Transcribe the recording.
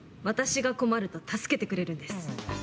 私が困ると助けてくれるんです。